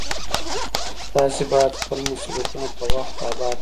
تاسې باید خپل مسؤلیتونه په وخت ادا کړئ